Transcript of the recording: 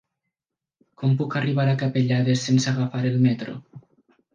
Com puc arribar a Capellades sense agafar el metro?